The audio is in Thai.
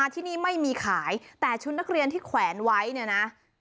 ที่นี่ไม่มีขายแต่ชุดนักเรียนที่แขวนไว้เนี่ยนะ